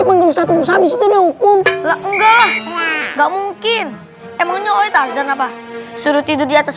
pengguna setengah habis itu hukum enggak enggak mungkin emangnya tas dan apa suruh tidur di atas